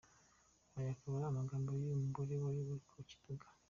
Aya akaba ari amagambo y’uyu mugore wari uri ku kibuga.